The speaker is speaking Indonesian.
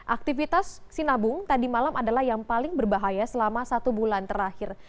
aktivitas sinabung tadi malam adalah yang paling berbahaya selama satu bulan terakhir